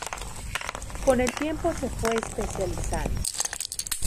Con el tiempo se fue especializando.